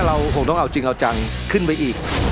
เราคงต้องเอาจริงเอาจังขึ้นไปอีก